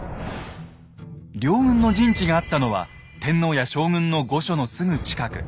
両軍の陣地があったのは天皇や将軍の御所のすぐ近く。